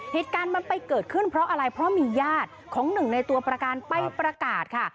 เหตุการณ์มันไปเกิดขึ้นเพราะอะไรเพราะมีญาติของหนึ่งในตัวประกันไปประกาศค่ะ